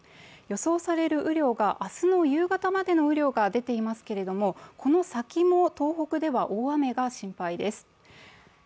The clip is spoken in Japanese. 予想される明日の夕方までの雨量が出ていますけれども、この先も東北では大雨が心配です。